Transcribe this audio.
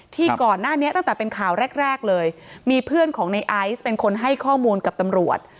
ที่ก่อนหน้านี้ตั้งแต่เป็นข่าวแรกแรกเลยมีเพื่อนของในไอซ์เป็นคนให้ข้อมูลกับตำรวจ